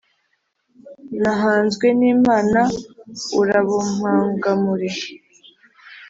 nahanzwe n’imana urabumpangamure .